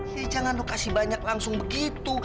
ya jangan lo kasih banyak langsung begitu